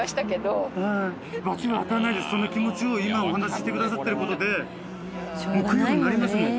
その気持ちを今お話ししてくださってる事で供養になりますもん。